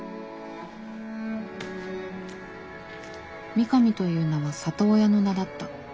「三上」という名は里親の名だった。